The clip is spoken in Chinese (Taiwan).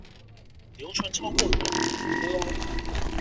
流傳超過兩年了喔